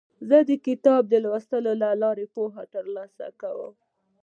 زه د کتابونو د لوستلو له لارې پوهه ترلاسه کوم.